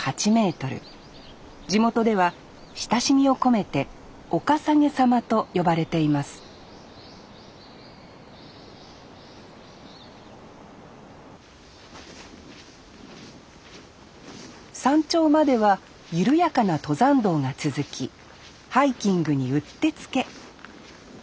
地元では親しみを込めて「お笠置様」と呼ばれています山頂までは緩やかな登山道が続きハイキングにうってつけ。